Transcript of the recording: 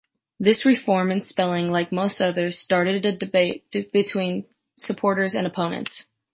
This reform in spelling, like most others, started a debate between supporters and opponents.